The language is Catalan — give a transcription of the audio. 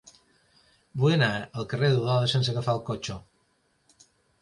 Vull anar al carrer de Duoda sense agafar el cotxe.